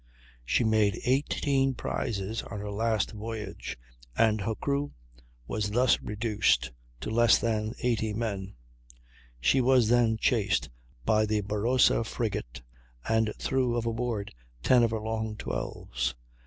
She made 18 prizes on her last voyage, and her crew was thus reduced to less than 80 men; she was then chased by the Barossa frigate, and threw overboard 10 of her long 12's.